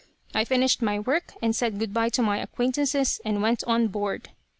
I finished my work, said good bye to my acquaintances, and went on board.